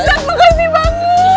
alhamdulillah airnya masih jualan lagi